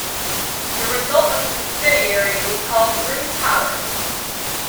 The resultant subsidiary was called Bruce Power.